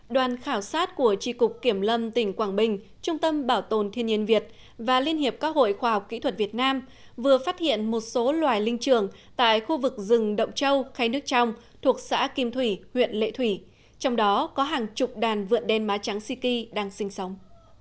đoàn khảo sát của tri cục kiểm lâm tỉnh quảng bình trung tâm bảo tồn thiên nhiên việt và liên hiệp các hội khoa học kỹ thuật việt nam vừa phát hiện một số loài linh trường tại khu vực rừng động châu khe nước trong thuộc xã kim thủy huyện lệ thủy trong đó có hàng chục đàn vượn đen má trắng ci đang sinh sống